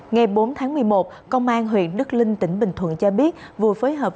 ngày bốn tháng một mươi một công an huyện đức linh tỉnh bình thuận cho biết vừa phối hợp